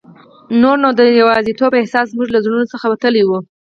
نور نو د یوازیتوب احساس زموږ له زړونو څخه وتلی وو.